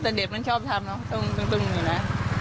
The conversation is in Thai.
แต่เด็กมันชอบทำตรงนี้นะ